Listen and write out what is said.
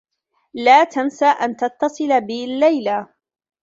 لا تنس أن تتّصل بي اللّيلة.